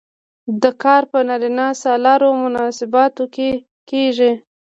دا کار په نارینه سالارو مناسباتو کې کیږي.